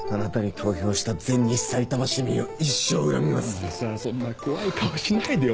お前さそんな怖い顔しないでよ。